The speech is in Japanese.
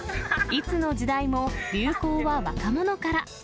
いつの時代も流行は若者から。